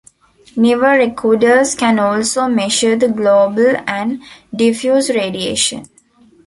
Newer recorders can also measure the global and diffuse radiation.